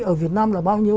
ở việt nam là bao nhiêu